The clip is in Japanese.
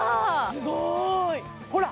すごい！ほら！